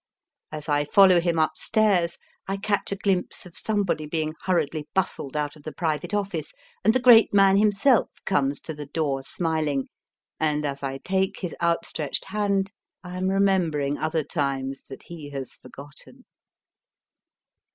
As I follow him upstairs I catch a glimpse of somebody being hurriedly bustled out of the private office, and the great man himself comes to the 234 MY FIRST BOOK door, smiling, and as I take his outstretched hand I am remembering other times that he has forgotten.